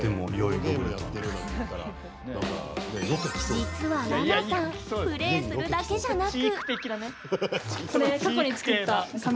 実は、らなさんプレイするだけじゃなく。